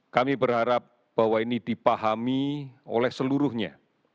kami berharap bahwa ini dipahami oleh seluruhnya